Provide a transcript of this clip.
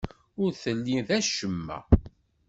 Ur telli d acemma.